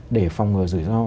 để phòng ngừa rủi ro